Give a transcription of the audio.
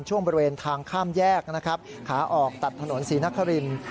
ช่วงบริเวณทางข้ามแยกขาออกตัดถนนศรีนครินต์